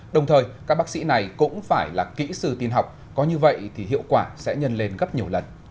đồng thời các bác sĩ này cũng phải là kỹ sư tiên học có như vậy thì hiệu quả sẽ nhân lên gấp nhiều lần